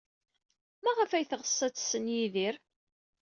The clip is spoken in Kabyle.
Maɣef ay teɣs ad tessen Yidir?